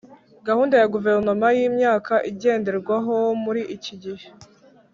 Gahunda ya Guverinoma y Imyaka igenderwaho muri iki gihe